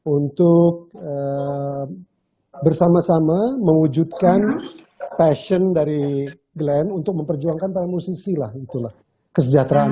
untuk bersama sama mewujudkan passion dari glenn untuk memperjuangkan para musisi lah itulah kesejahteraan